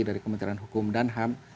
dari kementerian hukum dan ham